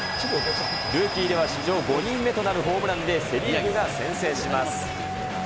ルーキーでは史上５人目となるホームランで、セ・リーグが先制します。